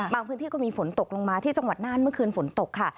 พื้นที่ก็มีฝนตกลงมาที่จังหวัดน่านเมื่อคืนฝนตกค่ะ